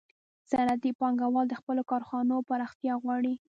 صنعتي پانګوال د خپلو کارخانو پراختیا غواړي